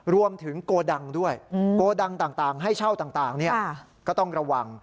โกดังด้วยโกดังต่างให้เช่าต่างก็ต้องระวัง